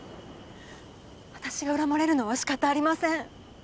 私が恨まれるのは仕方ありません。